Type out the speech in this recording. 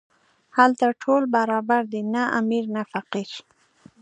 هلته ټول برابر دي، نه امیر نه فقیر.